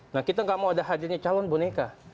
nah kita gak mau ada hadirnya calon boneka